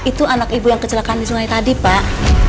itu anak ibu yang kecelakaan di sungai tadi pak